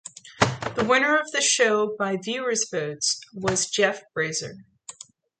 The winner of the show by viewers' votes was Jeff Brazier.